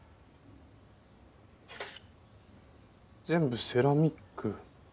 全部セラミック。